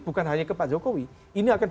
bukan hanya ke pak jokowi ini akan